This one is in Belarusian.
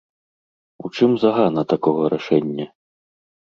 У чым загана такога рашэння?